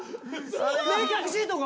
冷却シートが？